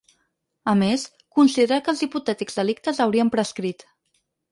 A més, considera que els ‘hipotètics delictes’ haurien prescrit.